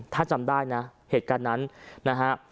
ถ้าจำได้นะเหตุการณ์นั้นนะฮะ